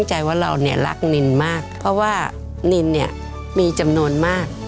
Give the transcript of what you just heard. ใจว่าเราเนี่ยรักนินมากเพราะว่านินเนี่ยมีจำนวนมาก